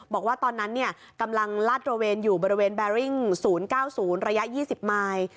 บอกว่าตอนนั้นกำลังลาดตระเวนอยู่บริเวณแบริ่ง๐๙๐ระยะ๒๐มาย